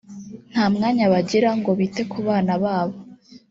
nta mwanya bagira ngo bite ku bana babo